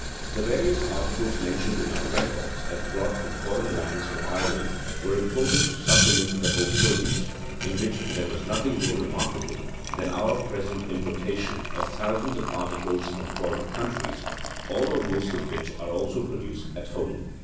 The various articles mentioned in our records as brought from foreign lands to Ireland were imported to supplement the home produce; in which there was nothing more remarkable than our present importation of thousands of articles from foreign countries, all or most of which are also produced at home.